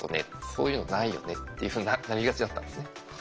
そういうのないよねっていうふうになりがちだったんですね。